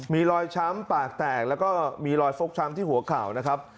มีรอยช้ำปากแตกแล้วก็มีรอยฟกช้ำที่หัวเข่านะครับ